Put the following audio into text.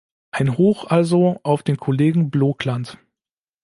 Ein Hoch also auf den Kollegen Blokland!